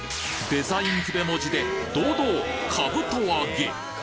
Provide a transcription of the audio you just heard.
デザイン筆文字で堂々かぶと揚げ！